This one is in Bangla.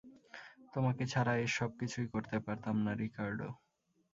তোমাকে ছাড়া এর সব কিছুই করতে পারতাম না, রিকার্ডো।